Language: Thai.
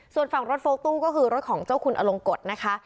ส่วนฝั่งรถโฟลกตู้ก็คือรถของเจ้าคุณอลงกฎนะคะ